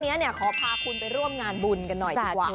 เนี่ยขอพาคุณไปร่วมงานบุญกันหน่อยดีกว่า